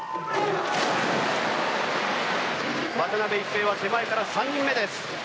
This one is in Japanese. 渡辺一平は手前から３人目です。